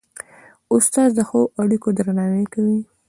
استاد د ښو اړيکو درناوی کوي.